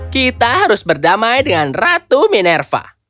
kita harus berdamai dengan ratu minerva